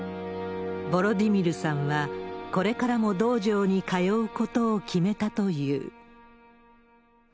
ヴォロディミルさんは、これからも道場に通うことを決めたという。